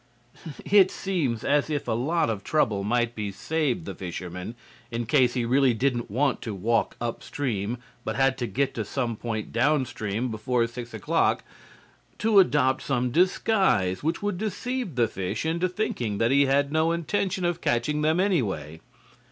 It seems as if a lot of trouble might be saved the fisherman, in case he really didn't want to walk upstream but had to get to some point downstream before 6 o'clock, to adopt some disguise which would deceive the fish into thinking that he had no intention of catching them anyway.